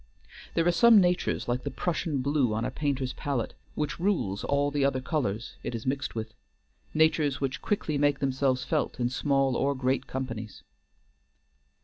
There are some natures like the Prussian blue on a painter's palette, which rules all the other colors it is mixed with; natures which quickly make themselves felt in small or great companies.